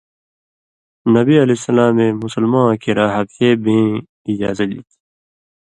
نبی علیہ السلامے مسلماں واں کریا حبشے بېں اجازہ دِتیۡ۔